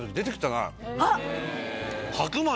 あっ。